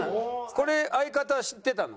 これ相方は知ってたの？